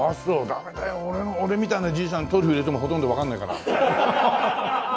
ダメだよ俺みたいなじいさんトリュフ入れてもほとんどわかんないから。